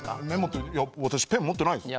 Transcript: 私ペン持ってないです。